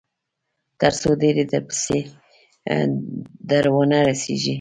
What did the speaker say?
تر څو ډبرې درپسې در ونه رسېږي.